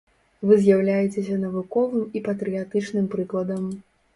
Вы з'яўляецеся навуковым і патрыятычным прыкладам.